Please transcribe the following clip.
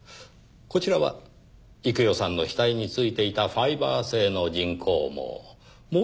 こちらは幾代さんの死体に付いていたファイバー製の人工毛。